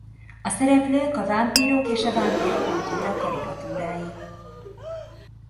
A szereplők a vámpírok és a vámpír-kultúra karikatúrái.